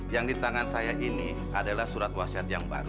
yang ditangan saya ini adalah surat puasian yang baru